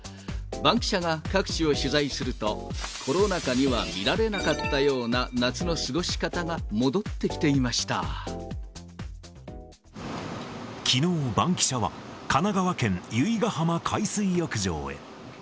バンキシャが各地を取材すると、コロナ禍には見られなかったような、夏の過ごし方が戻ってきていきのう、バンキシャは神奈川県由比ガ浜海水浴場へ。